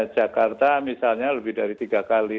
jakarta misalnya lebih dari tiga kali